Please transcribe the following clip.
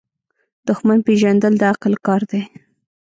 دښمن پیژندل د عقل کار دی.